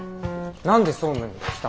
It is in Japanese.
何で総務に来たの？